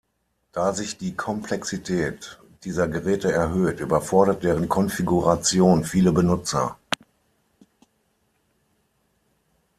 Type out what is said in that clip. Da sich die Komplexität dieser Geräte erhöht, überfordert deren Konfiguration viele Benutzer.